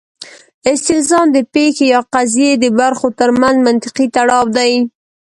استلزام د پېښې یا قضیې د برخو ترمنځ منطقي تړاو دی.